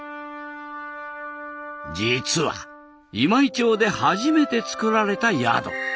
実は今井町で初めて作られた宿。